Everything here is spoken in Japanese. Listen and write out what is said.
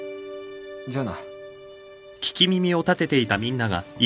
じゃあな。